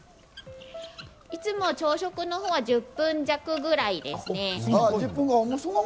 いつも朝食のほうは１０分弱ぐらいですね。